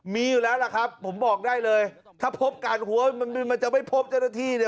มีอยู่แล้วล่ะครับผมบอกได้เลยถ้าพบกาดหัวมันจะไม่พบเจ้าหน้าที่เนี่ย